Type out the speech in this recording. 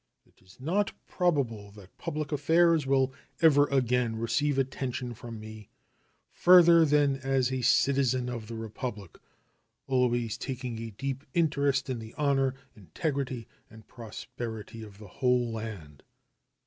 It is not probable that public affairs will ever again receive attention from me further than as a citizen of the Republic, always taking a deep interest in the honor, integrity, and prosperity of the whole land.